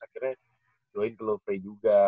akhirnya jualin ke lufre juga